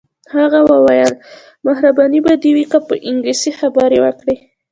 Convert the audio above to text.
هغه وویل مهرباني به دې وي که په انګلیسي خبرې وکړې.